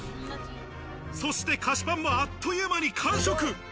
そして菓子パンもあっという間に完食。